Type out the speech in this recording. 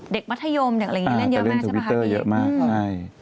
เด็กมัธยมอย่างนี้เล่นเยอะมากใช่ไหมคะพี่อ่าแต่เล่นทวิตเตอร์เยอะมากใช่